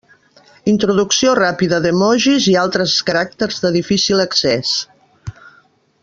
Introducció ràpida d'emojis i altres caràcters de difícil accés.